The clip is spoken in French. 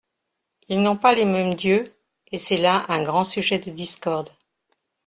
Ils n'ont pas les mêmes dieux, et c'est là un grand sujet de discorde.